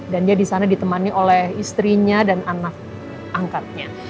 dan dia di sana ditemani oleh istrinya dan anak angkatnya